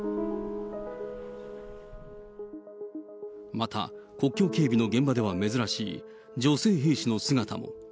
また、国境警備の現場では珍しい、女性兵士の姿も。